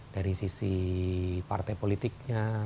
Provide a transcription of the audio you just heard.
dari sisi partai politiknya